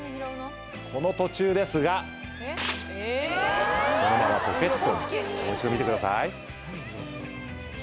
この途中ですがそのままポケットにもう一度見てください